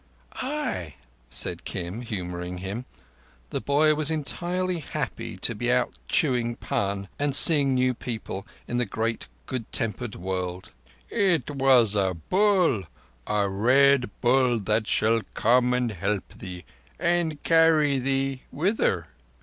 "Ay," said Kim, humouring him. The boy was entirely happy to be out chewing pan and seeing new people in the great good tempered world. "It was a bull—a Red Bull that shall come and help thee and carry thee—whither?